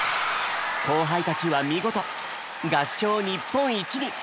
後輩たちは見事合唱日本一に！